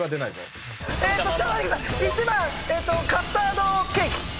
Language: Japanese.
１番カスタードケーキ。